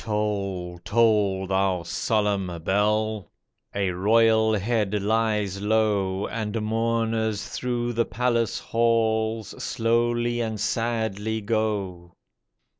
Toll, toll, thou solemn bell ! A royal head lies low, And mourners through the palace halls Slowly and sadly go.